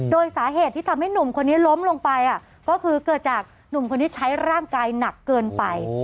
โดยสาเหตุที่ทำให้หนุ่มคนนี้ล้มลงไปก็คือเกิดจากหนุ่มคนที่ใช้ร่างกายหนักเกินไป